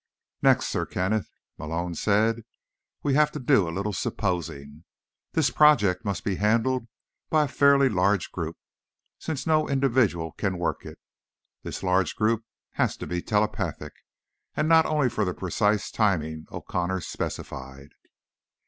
"Next, Sir Kenneth," Malone said, "We have to do a little supposing. This project must be handled by a fairly large group, since no individual can work it. This large group has to be telepathic, and not only for the precise timing O'Connor specified."